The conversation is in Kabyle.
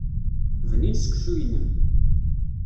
Bnin seksu-inem.